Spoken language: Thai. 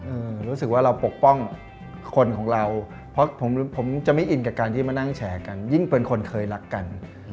รู้สึกว่าเราปกป้องคนของเราเพราะผมผมจะไม่อินกับการที่มานั่งแฉกันยิ่งเป็นคนเคยรักกัน